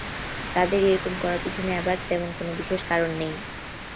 তাদের এইরকম করার পিছনে আবার তেমন কোনো বিশেষ কারণ নেই।